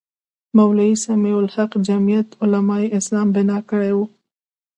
مولوي سمیع الحق جمیعت علمای اسلام بنا کړې وې.